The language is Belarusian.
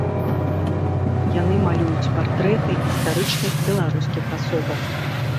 Яны малююць партрэты гістарычных беларускіх асобаў.